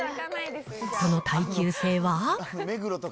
その耐久性は？